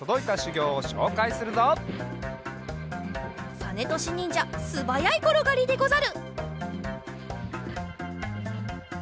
さねとしにんじゃすばやいころがりでござる！